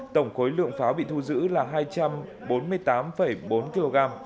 tổng khối lượng pháo bị thu giữ là hai trăm bốn mươi tám bốn kg